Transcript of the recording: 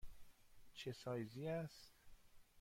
چه سایزی است؟